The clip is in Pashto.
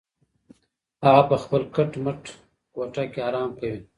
هغه په خپله کټ مټ کوټه کې ارام کوي.